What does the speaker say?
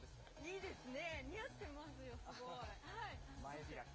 いいですね。